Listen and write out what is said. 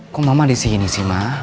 kok mama disini sih ma